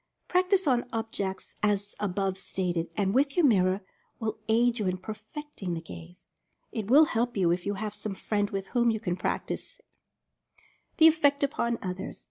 Practice on objects as above stated, and with your mirror, will aid you in perfecting the gaze. It will help you if you have some friend with whom you can practice it. THE EFFECT UPON OTHERS.